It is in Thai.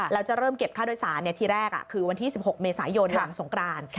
แล้วจะเริ่มเก็บค่าโดยสารทีแรกคือวันที่๑๖เมษายนหลังสงกราน